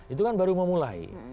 itu kan baru memulai